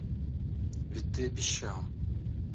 Ведь ты обещал.